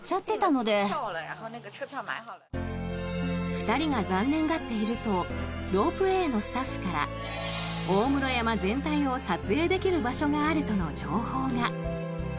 ２人が残念がっているとロープウェーのスタッフから大室山全体を撮影できる場所があるとの情報が。